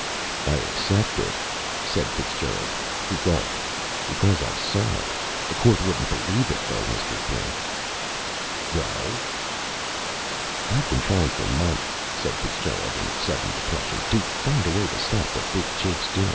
"I accept it," said Fitzgerald. He gulped. "Because I saw it. A court wouldn't believe it, though, Mr. Brink!" "Well?" "I've been tryin' for months," said Fitzgerald in sudden desperation, "to find a way to stop what Big Jake's doin'.